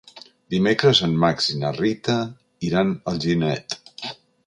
Dimecres en Max i na Rita iran a Alginet.